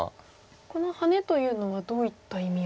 このハネというのはどういった意味合いが？